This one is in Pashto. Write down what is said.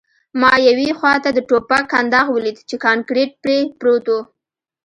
ما یوې خواته د ټوپک کنداغ ولید چې کانکریټ پرې پروت و